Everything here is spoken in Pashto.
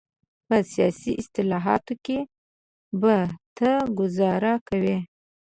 په سیاسي اصطلاحاتو کې به ته ګوزاره کوې.